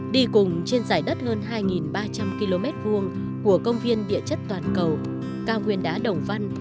đi cùng trên dài đất hơn hai ba trăm linh km hai của công viên địa chất toàn cầu cao nguyên đá đồng văn